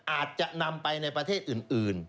อาจจะนำไปในประเทศอื่น